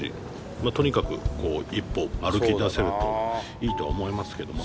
まあとにかく一歩歩きだせるといいとは思いますけどもね。